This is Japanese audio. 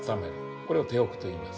これを手浴といいます。